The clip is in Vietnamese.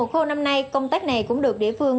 hôm nay công tác này cũng được địa phương